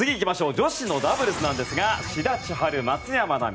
女子のダブルスなんですが志田千陽・松山奈未